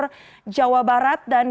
baik terakhir rizka untuk update terkini